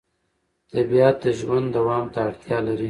طبیعت د ژوند دوام ته اړتیا لري